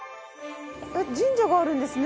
神社があるんですね。